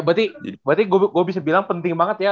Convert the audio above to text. berarti gue bisa bilang penting banget ya